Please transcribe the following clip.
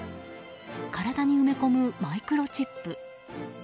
体に埋め込むマイクロチップ。